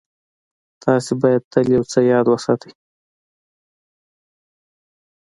تاسې بايد تل يو څه ياد وساتئ.